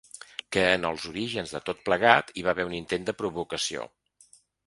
Que en els orígens de tot plegat hi va haver un intent de provocació.